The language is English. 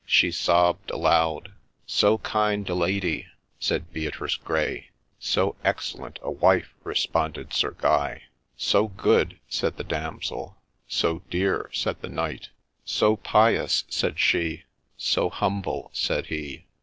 She sobbed aloud. ' So kind a lady !' said Beatrice Grey. —' So excellent a wife I ' responded Sir Guy. —' So good !' said the damsel. —' So dear !' said the knight. —' So pious !' said she. —' So humble !' said he.